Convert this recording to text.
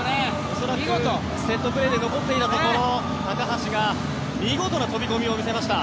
恐らくセットプレーで残っていたところ高橋が見事な飛び込みを見せました。